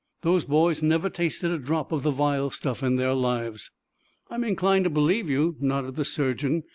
Those boys never tasted a drop of the vile stuff in their lives!" "I'm inclined to believe you," nodded the surgeon.